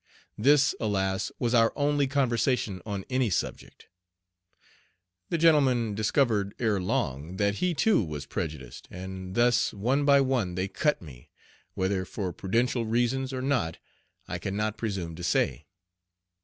This, alas! was our only conversation on any subject. The gentleman discovered ere long that he too was prejudiced, and thus one by one they "cut" me, whether for prudential reasons or not I can not presume to say.